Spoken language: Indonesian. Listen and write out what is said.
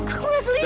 aku gak selingkuh